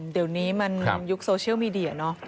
เดี๋ยวนี้มันยุคโซเชียลมีเดียเนอะ